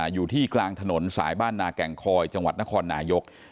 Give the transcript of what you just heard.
อยู่ที่กลางถนนสายบ้านนาแก่งคอยจังหวัดนครนายก